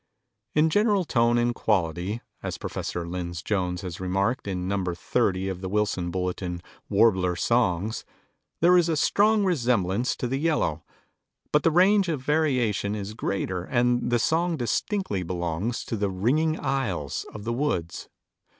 "In general tone and quality," as Prof. Lynds Jones has remarked in No. 30 of the Wilson Bulletin, "Warbler Songs," "there is a strong resemblance to the Yellow, but the range of variation is greater and the song distinctly belongs to the 'ringing aisles' of the woods."